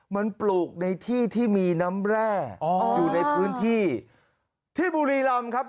มันปลูกในที่ที่มีน้ำแร่อ๋ออยู่ในพื้นที่ที่บุรีรำครับ